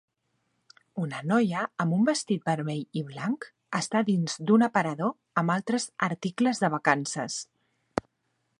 Una noia amb un vestit vermell i blanc està dins d'un aparador amb altres articles de vacances.